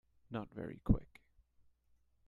Not very Quick.